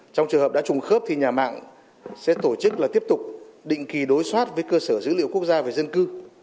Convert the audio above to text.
trong trường hợp đã trùng khớp thì nhà mạng sẽ tổ chức là tiếp tục định kỳ đối soát với cơ sở dữ liệu quốc gia về dân cư